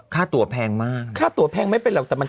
ค่าตัวแพงมากค่าตัวแพงไม่เป็นไร